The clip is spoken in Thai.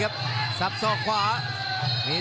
กำปั้นขวาสายวัดระยะไปเรื่อย